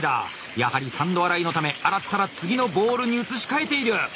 やはり三度洗いのため洗ったら次のボウルに移し替えている。